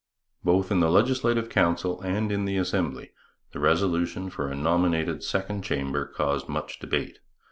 Both in the Legislative Council and in the Assembly the resolution for a nominated second chamber caused much debate.